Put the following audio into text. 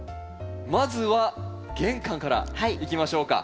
まずは玄関からいきましょうか。